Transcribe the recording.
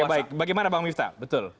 baik bagaimana bang miftah betul